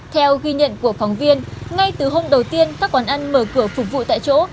theo ghi nhận của phóng viên ngay từ hôm đầu tiên các quán ăn mở cửa phục vụ tại chỗ